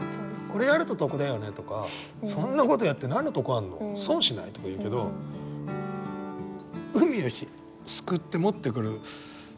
「これやると得だよね」とか「そんな事やって何の得あるの？損しない？」とか言うけど海をすくって持ってくる。